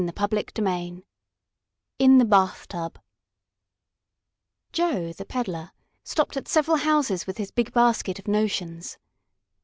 CHAPTER VII IN THE BATHTUB Joe, the peddler, stopped at several houses with his big basket of notions.